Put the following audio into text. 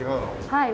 はい。